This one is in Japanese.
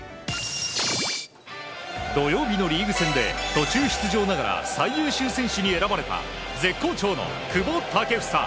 土曜日のリーグ戦で途中出場ながら最優秀選手に選ばれた絶好調の久保建英。